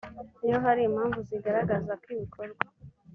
iyo hari impamvu zigaragaza ko ibikorwa